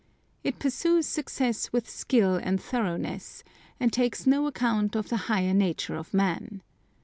It pursues success with skill and thoroughness, and takes no account of the higher nature of man.